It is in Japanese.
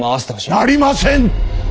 なりません！